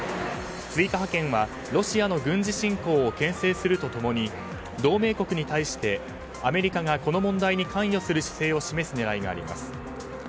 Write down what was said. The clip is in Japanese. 追加派遣はロシアの軍事侵攻を牽制すると共に、同盟国に対してアメリカがこの問題に関与する姿勢を示す狙いがあります。